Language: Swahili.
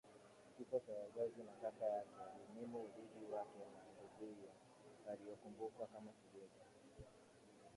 kifo cha wazazi na kaka yake alinyimwa urithi wake na nduguye waliomkumbuka kama kigego